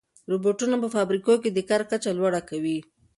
روبوټونه په فابریکو کې د کار کچه لوړه کوي.